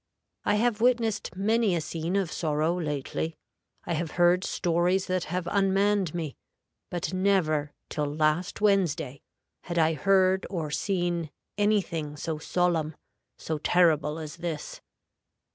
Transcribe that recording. I have witnessed many a scene of sorrow lately; I have heard stories that have unmanned me; but never, till last Wednesday, had I heard or seen any thing so solemn, so terrible as this.